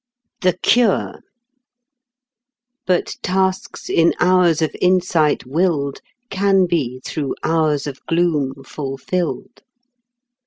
THE CURE "But tasks in hours of insight willed Can be through hours of gloom fulfilled."